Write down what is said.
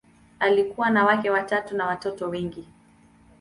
Alikuwa na wake watatu na watoto wengi.